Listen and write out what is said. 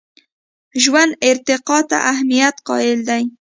ژوند ارتقا ته اهمیت قایل دی.